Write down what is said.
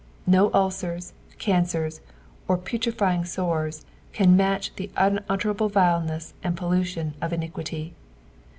No ulcers, cancers, or putrifying sores, can match the unutterable vileness and pollution of iniquity.